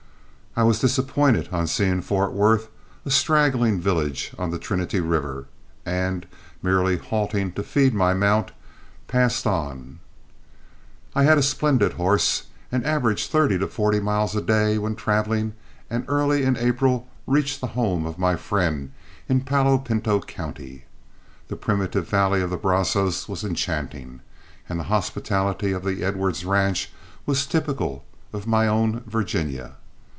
I was disappointed on seeing Fort Worth, a straggling village on the Trinity River, and, merely halting to feed my mount, passed on. I had a splendid horse and averaged thirty to forty miles a day when traveling, and early in April reached the home of my friend in Paolo Pinto County. The primitive valley of the Brazos was enchanting, and the hospitality of the Edwards ranch was typical of my own Virginia.